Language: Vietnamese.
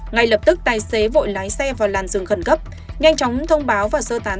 ngay lập tức tài xế vội lái xe vào làn dường khẩn cấp